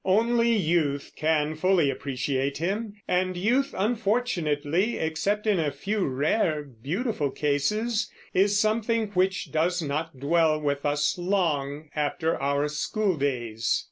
Only youth can fully appreciate him; and youth, unfortunately, except in a few rare, beautiful cases, is something which does not dwell with us long after our school days.